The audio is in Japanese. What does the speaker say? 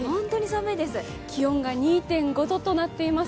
気温が２．５度となっています。